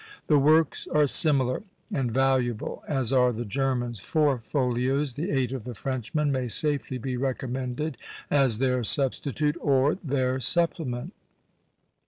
The works are similar; and valuable as are the German's four folios, the eight of the Frenchman may safely be recommended as their substitute, or their supplement.